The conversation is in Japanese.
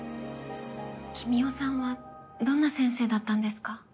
君雄さんはどんな先生だったんですか？